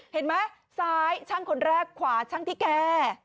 เห็นไหมซ้ายช่างคนแรกขวาช่างที่แก้